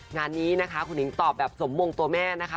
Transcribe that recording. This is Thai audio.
งานนี้นะคะคุณหญิงตอบแบบสมมงตัวแม่นะคะ